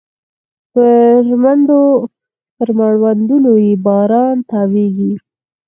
پر مړوندونو يې باران تاویږې